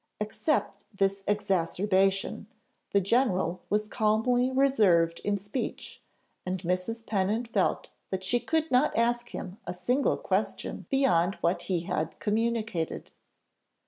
Except this exacerbation, the general was calmly reserved in speech, and Mrs. Pennant felt that she could not ask him a single question beyond what he had communicated.